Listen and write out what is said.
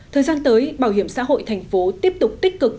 thời gian tới bảo hiểm xã hội thành phố tiếp tục tích cực